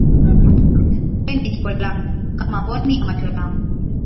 We ni jiko langu, kama mboni ya macho yangu.